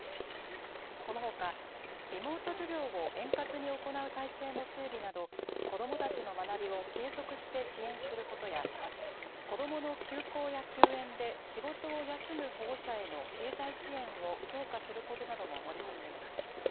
このほか、リモート授業を円滑に行う体制の整備など、子どもたちの学びを継続して支援することや、子どもの休校や休園で、仕事を休む保護者への経済支援を強化することなども盛り込んでいます。